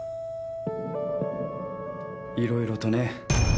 いろいろとね。